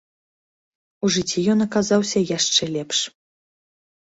У жыцці ён аказаўся яшчэ лепш.